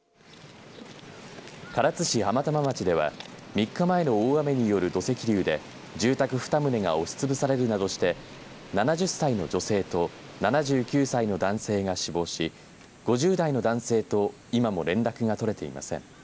唐津市浜玉町では３日前の大雨による土石流で住宅２棟が押しつぶされるなどして７０歳の女性と７９歳の男性が死亡し５０代の男性と今も連絡が取れていません。